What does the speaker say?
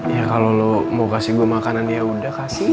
ya kalo lo mau kasih gue makanan yaudah kasih